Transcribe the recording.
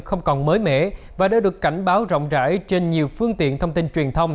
không còn mới mẻ và đã được cảnh báo rộng rãi trên nhiều phương tiện thông tin truyền thông